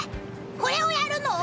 これをやるの？